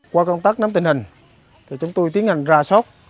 qua công tác nắm tình hình chúng tôi tiến hành ra sóc